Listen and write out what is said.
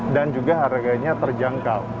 dan juga harganya terjangkau